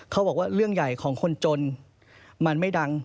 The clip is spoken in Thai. เขาบอกว่าเรื่องใหญ่ของคนจนมันไม่ดัง